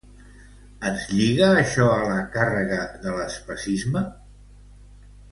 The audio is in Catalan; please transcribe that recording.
Ens lliga això a la càrrega de l'especisme?